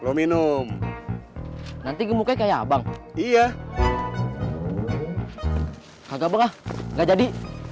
lu minum nanti gemuk kayak abang iya kagak nggak jadi